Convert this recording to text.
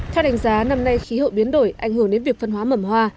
theo đánh giá năm nay khí hậu biến đổi ảnh hưởng đến việc phân hóa mẩm hoa